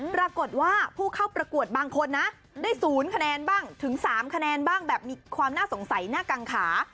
ปรากฏว่าผู้เข้าประกวดบางคนนะได้๐คะแนนบ้างถึง๓คะแนนบ้างแบบมีความน่าสงสัยน่ากังขา